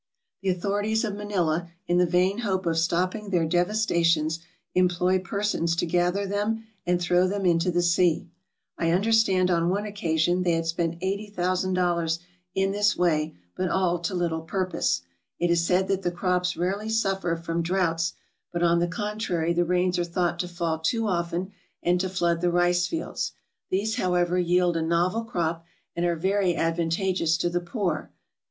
The authorities of Manila, in the vain hope of stopping their devastations, employ persons to gather them and throw them into the sea. I understood on one occasion they had spent $80,000 in this way, but all to little purpose. It is said that the crops rarely suffer from droughts, but on the contrary the rains are thought to fall too often and to flood the rice fields ; these, however, yield a novel crop, and are very advantageous to the poor, viz.